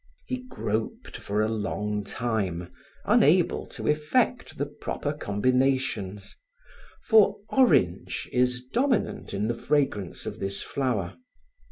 He groped for a long time, unable to effect the proper combinations, for orange is dominant in the fragrance of this flower.